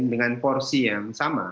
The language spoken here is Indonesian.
dengan porsi yang sama